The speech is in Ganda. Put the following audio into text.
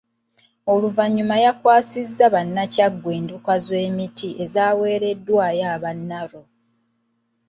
Oluvannyuma yakwasizza Bannakyaggwe endokwa z’emiti ezaaweereddwayo aba NARO.